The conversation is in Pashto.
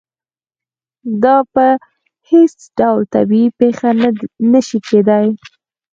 دا په هېڅ ډول طبیعي پېښه نه شي کېدای.